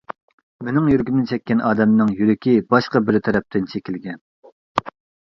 مېنىڭ يۈرىكىمنى چەككەن ئادەمنىڭ يۈرىكى باشقا بىرى تەرىپىدىن چېكىلگەن.